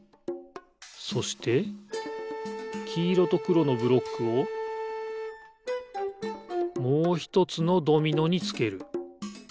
そしてきいろとくろのブロックをもうひとつのドミノにつける。